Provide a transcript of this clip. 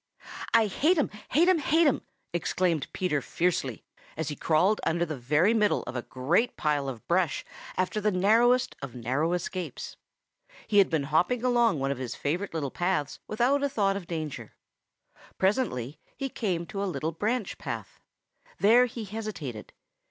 "I hate him! hate him! hate him!" exclaimed Peter fiercely, as he crawled under the very middle of a great pile of brush after the narrowest of narrow escapes. He had been hopping along one of his favorite little paths without a thought of danger. Presently he came to a little branch path. There he hesitated.